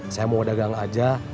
saya mau dagang aja